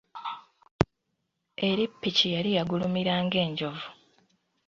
Eri ppiki yali yagulumira ng’enjovu.